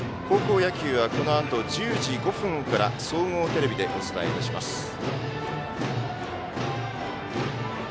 高校野球はこのあと１０時５分から総合テレビでお伝えします。